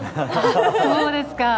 そうですか。